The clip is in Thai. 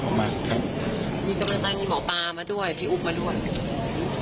นี่กำลังไุ้มีหมอปลามาด้วยพี่อุบมาด้วย